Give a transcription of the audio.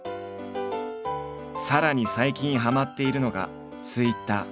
さらに最近はまっているのがＴｗｉｔｔｅｒ。